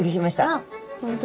あっ本当だ。